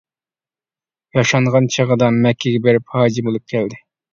ياشانغان چېغىدا مەككىگە بېرىپ ھاجى بولۇپ كەلدى.